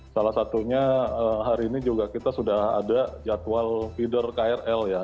salah satunya hari ini juga kita sudah ada jadwal feeder krl ya